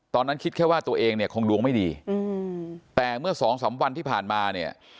ตอนนั้นคิดแค่ว่าตัวเองเนี่ยคงดวงไม่ดีแต่เมื่อสองสามวันที่ผ่านมาเนี่ย